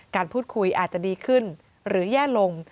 การพูดคุยอาจจะดีขึ้นหรือแย่ลง